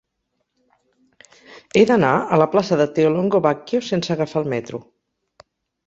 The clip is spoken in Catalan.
He d'anar a la plaça de Theolongo Bacchio sense agafar el metro.